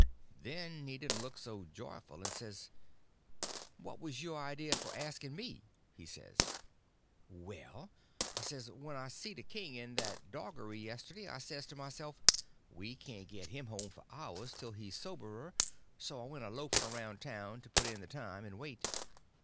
Then he didn't look so joyful, and says: "What was your idea for asking me?" he says. "Well," I says, "when I see the king in that doggery yesterday I says to myself, we can't get him home for hours, till he's soberer; so I went a loafing around town to put in the time and wait.